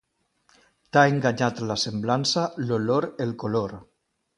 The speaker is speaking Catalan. T'ha enganyat la semblança, l'olor, el color.